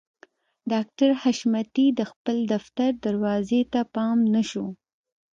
ډاکټر حشمتي د خپل دفتر دروازې ته پام نه شو